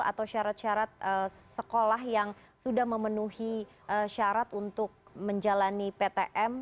atau syarat syarat sekolah yang sudah memenuhi syarat untuk menjalani ptm